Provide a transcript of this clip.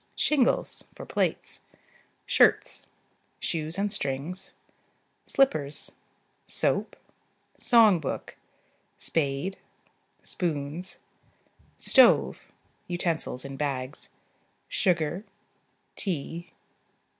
Shingles (for plates). Shirts. Shoes and strings. Slippers. Soap. Song book. Spade. Spoons. Stove (utensils in bags). Sugar. Tea.